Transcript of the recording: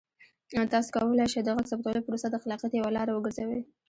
تاسو کولی شئ د غږ ثبتولو پروسه د خلاقیت یوه لاره وګرځوئ.